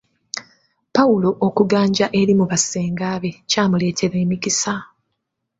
Pawulo okuganja eri mu ba ssenga be kyamuleetera emikisa.